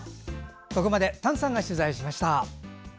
ここまで丹さんが取材しました。